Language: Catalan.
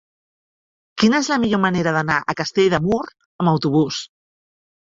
Quina és la millor manera d'anar a Castell de Mur amb autobús?